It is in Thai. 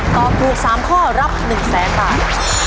ตอบถูก๓ข้อรับ๑๐๐๐๐๐๐บาท